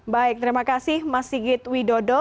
baik terima kasih mas sigit widodo